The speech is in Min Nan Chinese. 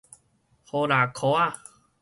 予啦箍仔